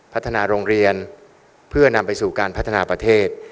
พัฒนาโรงเรียนเพื่อนำไปสู่การพัฒนาประเทศ